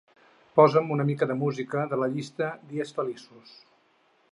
Posa'm una mica de música de la llista "dies feliços".